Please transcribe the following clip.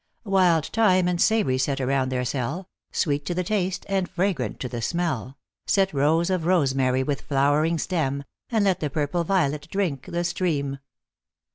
Wild thyme and savory set around their cell, Sweet to the taste and fragrant to the smell : Set rows of rosemary with flowering stem, And let the purple violet drink the stream.